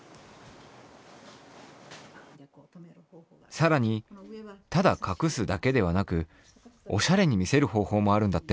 さらにただ隠すだけではなくおしゃれに見せるほうほうもあるんだって。